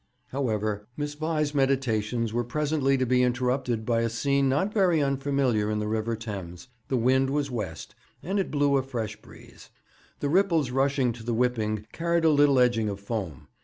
However, Miss Vi's meditations were presently to be interrupted by a scene not very unfamiliar in the River Thames. The wind was west, and it blew a fresh breeze. The ripples rushing to the whipping carried a little edging of foam.